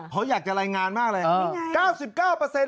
เขาอยากจะรายงานมากเลย